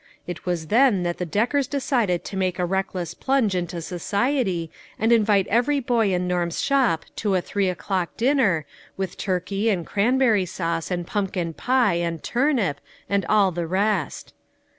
It was then that the Deckers decided to make a reck less plunge into society and invite every boy in Norm's shop^to a three o'clock dinner, with tur key and cranberry sauce and pumpkin pie and turnip, and all the rest.